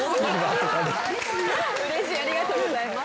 うれしいありがとうございます。